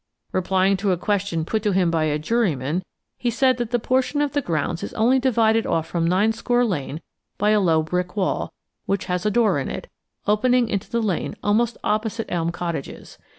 Replying to a question put to him by a juryman, he said that that portion of the grounds is only divided off from Ninescore Lane by a low, brick wall, which has a door in it, opening into the lane almost opposite Elm Cottages.